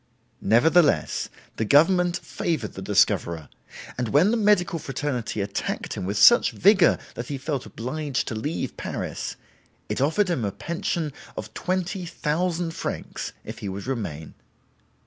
Nevertheless the government favored the discoverer, and when the medical fraternity attacked him with such vigor that he felt obliged to leave Paris, it offered him a pension of 20,000 francs if he would remain.